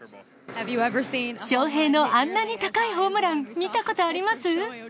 ショーヘイのあんなに高いホームラン、見たことあります？